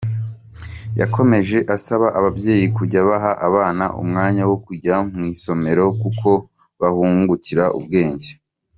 Yakomeje asaba ababyeyi kujya baha abana umwanya wo kujya mu isomero kuko bahungukira ubwenge.